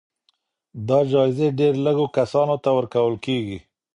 دا جايزې ډېر لږو کسانو ته ورکول کېږي.